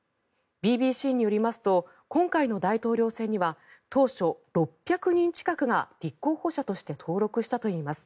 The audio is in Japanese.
ＢＢＣによりますと今回の大統領選には当初、６００人近くが立候補者として登録したといいます。